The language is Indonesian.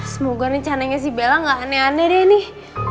semoga rencananya si bella gak aneh aneh deh nih